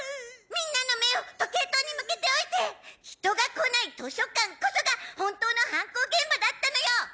みんなの目を時計塔に向けておいて人が来ない図書館こそが本当の犯行現場だったのよ！